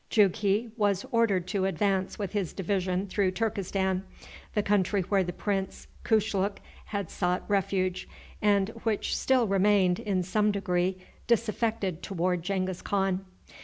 Jughi was ordered to advance with his division through Turkestan, the country where the Prince Kushluk had sought refuge, and which still remained, in some degree, disaffected toward Genghis Khan.